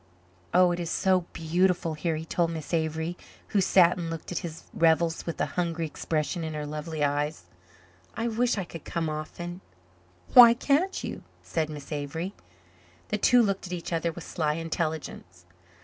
"Oh, it is so beautiful here," he told Miss Avery, who sat and looked at his revels with a hungry expression in her lovely eyes. "I wish I could come often." "Why can't you?" said Miss Avery. The two looked at each other with sly intelligence.